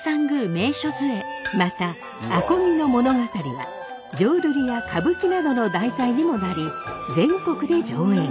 また阿漕の物語は浄瑠璃や歌舞伎などの題材にもなり全国で上演。